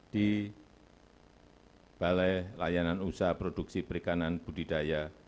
di balai layanan usaha produksi perikanan budidaya